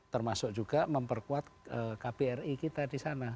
termasuk juga memperkuat kbri kita di sana